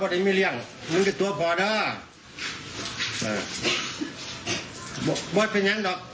อะไรตอนนั้นนั้นล่ะ